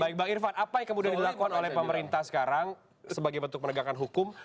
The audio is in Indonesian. baik bang irfan apa yang kemudian dilakukan oleh pemerintah sekarang sebagai bentuk penegakan hukum